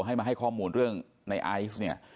ให้มาให้ข้อมูลเรื่องในไอซ์เนี่ย